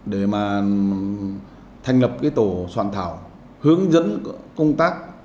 để mà thành lập cái tổ soạn thảo hướng dẫn công tác